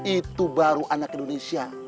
itu baru anak indonesia